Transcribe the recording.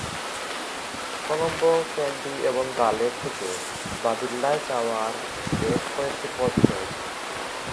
কলম্বো, ক্যান্ডি এবং গালে থেকে বাদুল্লায় যাওয়ার বেশ কয়েকটি পথ রয়েছে।